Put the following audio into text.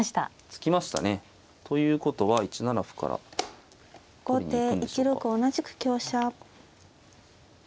突きましたね。ということは１七歩から取りに行くんでしょうか。